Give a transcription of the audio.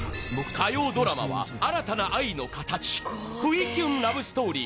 火曜ドラマは新たな愛の形不意キュンラブストーリー